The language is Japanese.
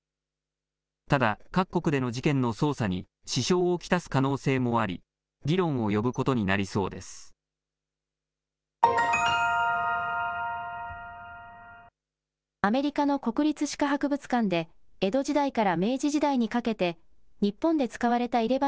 ただ各国での事件の捜査に支障を来す可能性もあり議論を呼ぶことになりそうです。